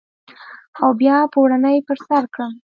او بیا پوړنی پر سرکړم